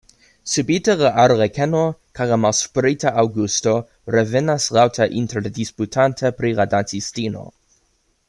Subite la arlekeno kaj la malsprita Aŭgusto revenas laŭte interdisputante pri la dancistino.